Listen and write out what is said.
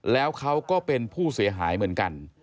แล้วเขาก็เป็นผู้เสียหายเหมือนกัน